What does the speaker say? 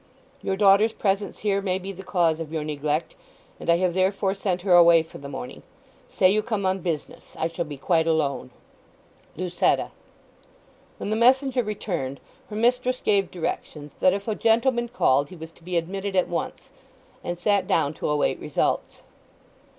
Your daughter's presence here may be the cause of your neglect; and I have therefore sent her away for the morning. Say you come on business—I shall be quite alone. LUCETTA. When the messenger returned her mistress gave directions that if a gentleman called he was to be admitted at once, and sat down to await results.